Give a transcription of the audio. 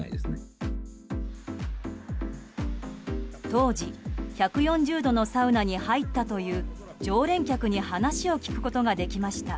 当時、１４０度のサウナに入ったという常連客に話を聞くことができました。